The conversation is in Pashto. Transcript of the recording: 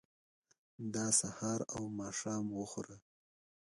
دا سهار او ماښام وخوره.